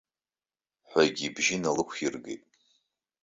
Ҳәагьы ибжьы лаиқәиргеит.